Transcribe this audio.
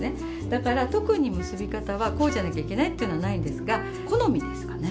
だから特に結び方はこうじゃなきゃいけないっていうのはないんですが好みですかね。